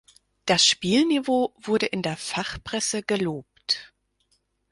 Das Spielniveau wurde in der Fachpresse gelobt.